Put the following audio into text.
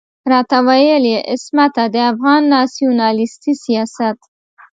راته ويل يې عصمته د افغان ناسيوناليستي سياست.